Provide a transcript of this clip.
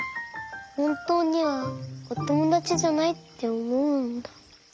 ほんとうにはおともだちじゃないっておもうんだ。